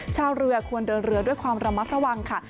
ชาวเรือควรเดินเรือด้วยความระมัดระวังค่ะ